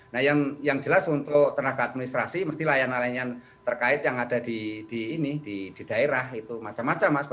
nah yang jelas untuk tenaga administrasi mesti layanan layanan terkait yang ada di daerah itu macam macam mas